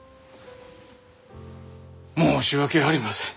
申し訳ありません！